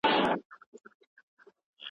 له اولاده شپې نه كوم